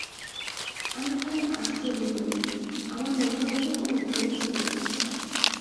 আমি ভারি আশ্চর্য হলুম আমার মনের মধ্যে কোনো ঘোর ছিল না।